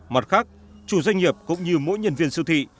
mặt khác chủ doanh nghiệp cũng như mỗi nhân viên siêu thị